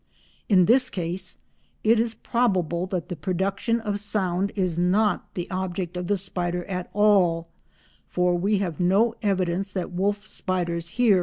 In this case it is probable that the production of sound is not the object of the spider at all, for we have no evidence that wolf spiders hear.